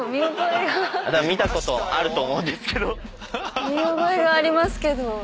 見たことあると思うんですけど。